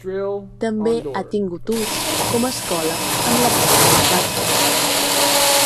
També ha tingut ús com a escola en la part dels baixos.